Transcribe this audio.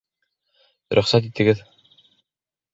Рөхсәт итегеҙ!